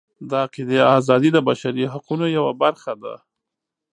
د عقیدې ازادي د بشري حقونو یوه برخه ده.